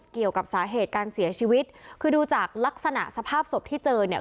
เกี่ยวกับสาเหตุการเสียชีวิตคือดูจากลักษณะสภาพศพที่เจอเนี่ย